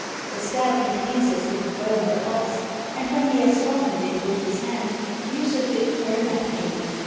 The scalp he cleanses with the bone of an ox, and when he has softened it with his hand, useth it for a napkin.